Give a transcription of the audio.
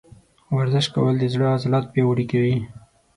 ورزش کول د زړه عضلات پیاوړي کوي.